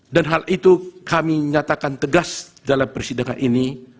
dan hal itu kami nyatakan tegas dalam persidangan ini